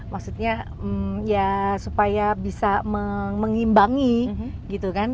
maksudnya ya supaya bisa mengimbangi gitu kan